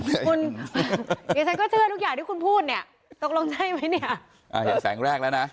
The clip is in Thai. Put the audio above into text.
เดี๋ยวฉันก็เชื่อทุกอย่างที่คุณพูดเนี่ยตกลงใช่ไหมเนี่ยอ่าเห็นแสงแรกแล้วนะ